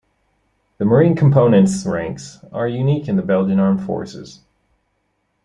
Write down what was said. The Marine Component's ranks are unique in the Belgian Armed Forces.